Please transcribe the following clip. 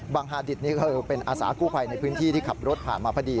ฮาดิตนี่คือเป็นอาสากู้ภัยในพื้นที่ที่ขับรถผ่านมาพอดี